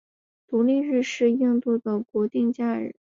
独立日是印度的国定假日。